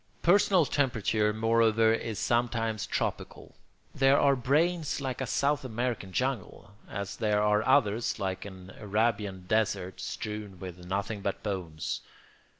Personal temperature, moreover, is sometimes tropical. There are brains like a South American jungle, as there are others like an Arabian desert, strewn with nothing but bones.